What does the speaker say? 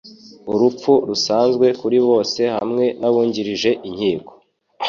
urupfu rusanzwe kuri bose hamwe n'abungirije inkiko